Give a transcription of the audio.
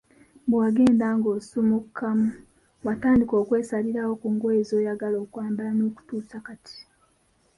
Bwewagenda ng‘osuumukamu watandika okwesalirawo ku ngoye z‘oyagala okwambala n‘okutuusa kati.